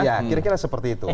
ya kira kira seperti itu